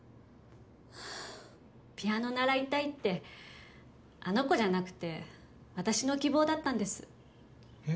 ピアノ習いたいってあの子じゃなくて私の希望だったんです。